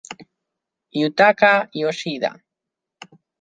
Yutaka Yoshida